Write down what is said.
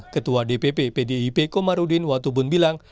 ketua dpp pdip komarudin watubun bilang